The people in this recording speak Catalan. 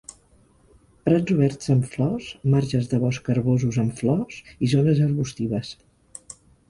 Prats oberts amb flors, marges de bosc herbosos amb flors i zones arbustives.